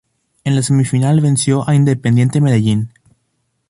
En la semifinal venció a Independiente Medellín.